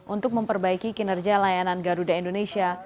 untuk memperbaiki kinerja layanan garuda indonesia